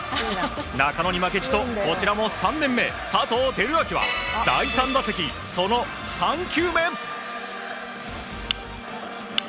中野に負けじとこちらも３年目佐藤輝明は第３打席その３球目。